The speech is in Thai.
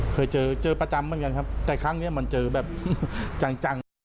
เคยเจอเจอประจำเหมือนกันครับแต่ครั้งเนี้ยมันเจอแบบจังจัง